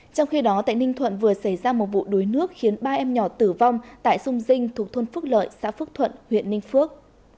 trong khi đó tại ninh thuận vừa xảy ra một vụ đuối nước khiến ba em nhỏ tử vong tại sông dinh thuộc thôn phước lợi xã phước thuận huyện ninh phước